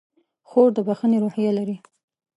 خور د بښنې روحیه لري.